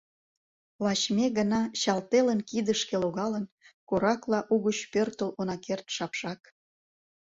Лач ме гына, чал телын Кидышке логалын, Коракла угыч пӧртыл Она керт, шапшак!